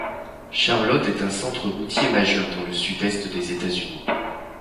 Charlotte est un centre routier majeur dans le sud-est des États-Unis.